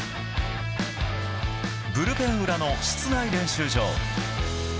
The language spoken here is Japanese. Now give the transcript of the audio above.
ブルペン裏の室内練習場。